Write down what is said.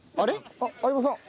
あっ相葉さん。